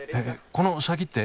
この先って？